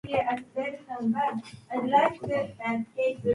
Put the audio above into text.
その人がすなわち先生であった。